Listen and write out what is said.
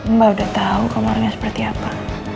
mbak udah tahu kamarnya seperti apa